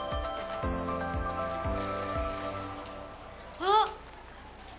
あっ！